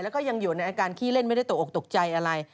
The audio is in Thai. แล้วก็ยังอยู่ในอาการขี้เล่นไม่ได้ตกออกตกใจอะไร